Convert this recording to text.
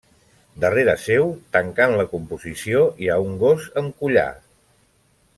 Darrere seu, tancant la composició, hi ha un gos amb collar.